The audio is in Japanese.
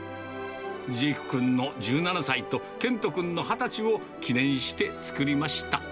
ジェイク君の１７歳と、賢斗君の２０歳を記念して作りました。